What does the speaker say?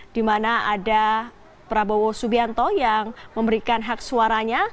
dimana ada prabowo subianto yang memberikan hak suaranya